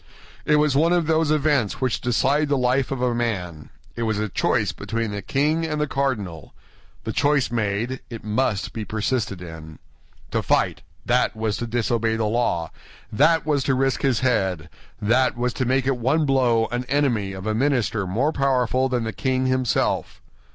It was one of those events which decide the life of a man; it was a choice between the king and the cardinal—the choice made, it must be persisted in. To fight, that was to disobey the law, that was to risk his head, that was to make at one blow an enemy of a minister more powerful than the king himself.